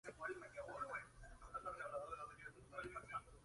Al mismo tiempo, fue demasiado bien informado de la condición indefensa del enemigo.